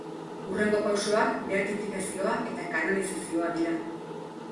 Hurrengo pausoak beatifikazioa eta kanonizazioa dira.